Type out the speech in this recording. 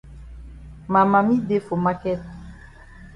Ma mami dey for maket.